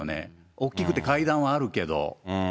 大きくて階段はあるけど。